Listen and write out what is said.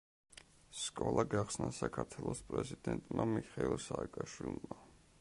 სკოლა გახსნა საქართველოს პრეზიდენტმა მიხეილ სააკაშვილმა.